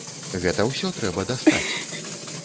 Гэта ўсё трэба дастаць.